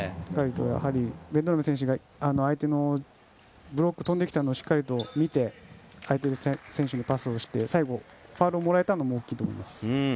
ベンドラメ選手が相手のブロックが飛んできたのをしっかりと見て空いている選手にパスをして最後、ファウルをもらえたのも大きいと思いますね。